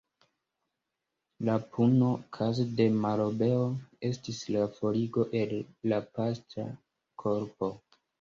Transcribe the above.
La puno, kaze de malobeo, estis la forigo el la pastra korpo.